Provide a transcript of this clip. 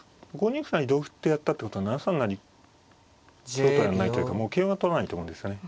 ５二歩成同歩ってやったってことは７三成香とはやらないというかもう桂は取らないと思うんですよね。